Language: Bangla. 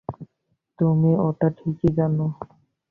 তুমি ওটা ঠিকই জানো?